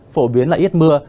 phổ biến là ít mưa